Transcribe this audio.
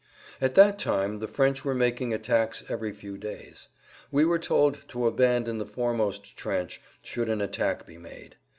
At that time the French were making attacks every few days. We were told to abandon the foremost trench should an attack be made.